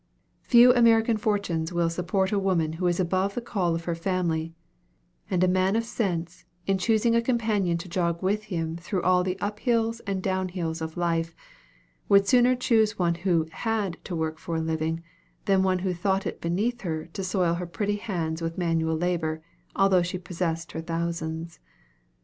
Few American fortunes will support a woman who is above the calls of her family; and a man of sense, in choosing a companion to jog with him through all the up hills and down hills of life, would sooner choose one who had to work for a living, than one who thought it beneath her to soil her pretty hands with manual labor, although she possessed her thousands.